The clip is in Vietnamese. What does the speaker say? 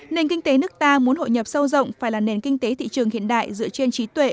nền kinh tế nước ta muốn hội nhập sâu rộng phải là nền kinh tế thị trường hiện đại dựa trên trí tuệ